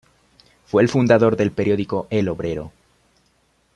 Fue el fundador del Periódico "El Obrero".